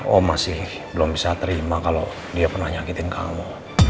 oh masih belum bisa terima kalau dia pernah nyakitin kamu